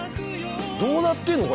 どうなってんの？